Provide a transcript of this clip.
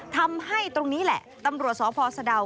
ทำให้ตรงนี้แหละตำรวจสพสะดาว